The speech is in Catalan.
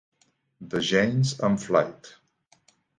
De Jane's and Flight.